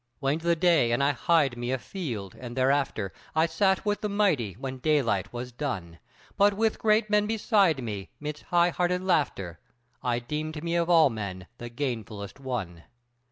Waned the day and I hied me afield, and thereafter I sat with the mighty when daylight was done, But with great men beside me, midst high hearted laughter, I deemed me of all men the gainfullest one.